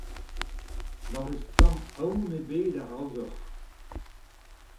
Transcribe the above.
Na'm eus tamm aon ebet araozoc'h.